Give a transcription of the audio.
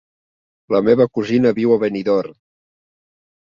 La meva cosina viu a Benidorm.